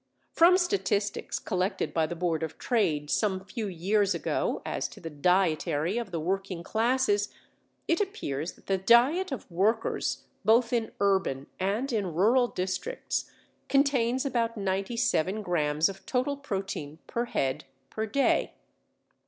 From statistics collected by the Board of Trade some few years ago as to the dietary of the working classes it appears that the diet of workers both in urban and in rural districts contains about 97 grams of total protein per head per day.